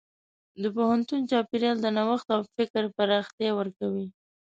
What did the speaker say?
د پوهنتون چاپېریال د نوښت او فکر پراختیا ورکوي.